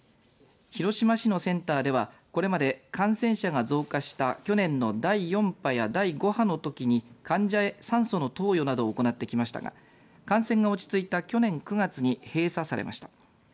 広島市のセンターでは、これまで感染者が増加した去年の第４波や第５波のときに患者へ酸素の投与などを行ってきましたが感染が落ち着いた去年９月に閉鎖されました。